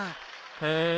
へえ。